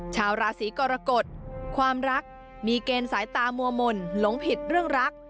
ชาวราศีกรกฎความรักมีเกณฑ์สายตามัวมนหลงผิดเรื่องรัก